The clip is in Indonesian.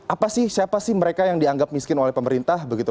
apa sih siapa sih mereka yang dianggap miskin oleh pemerintah begitu